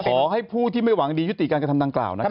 ขอให้ผู้ที่ไม่หวังดียุติการกระทำดังกล่าวนะครับ